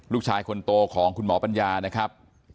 ลูกชายคนโตของคุณหมอปัญญานะครับ